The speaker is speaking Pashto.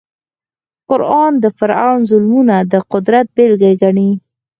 قران د فرعون ظلمونه د قدرت بېلګه ګڼي.